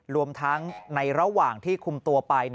รวมทั้งในระหว่างที่คุมตัวไป